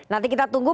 nanti kita tunggu